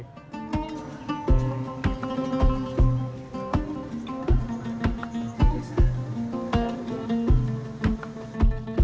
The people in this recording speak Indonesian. makam sunan giri